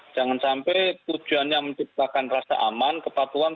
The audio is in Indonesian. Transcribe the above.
jangan sampai tujuannya menciptakan rasa aman kepatuan